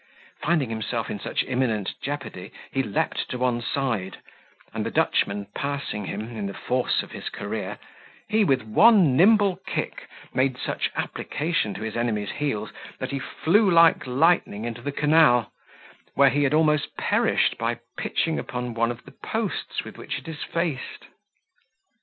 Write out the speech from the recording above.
Finding himself in such imminent jeopardy, he leaped to one side, and the Dutchman passing him, in the force of his career, he with one nimble kick made such application to his enemy's heels, that he flew like lightning into the canal, where he had almost perished by pitching upon one of the posts with which it is faced.